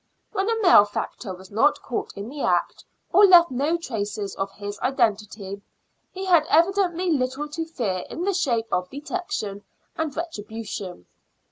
When a malefactor was not caught in the act, or left no traces of his identity, he had evidently little to fear in the shape of detection and retribution.